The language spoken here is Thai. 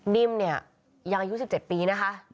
นิ่มเนี่ยยังอายุ๑๗ปีนะคะ